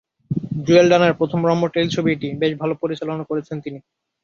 জুয়েল রানার প্রথম রম্য টেলিছবি এটি, বেশ ভালো পরিচালনা করেছেন তিনি।